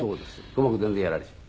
鼓膜全然やられちゃう。